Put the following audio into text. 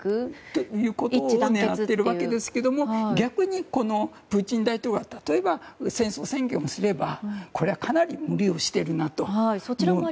そういうことをやっているわけですが逆にプーチン大統領は戦争宣言をすればこれはかなり無理をしているなと。